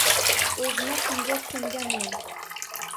O’zni qumga ko’mganman.